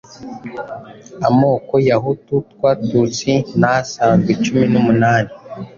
Amoko ya Hutu-Twa-Tutsi n'asanzwe cumi numunani